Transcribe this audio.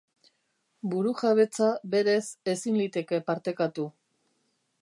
Burujabetza, berez, ezin liteke partekatu.